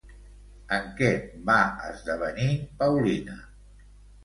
En què va esdevenir Paulina?